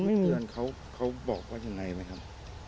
เตือนเขาบอกว่าอย่างไรไหมครับ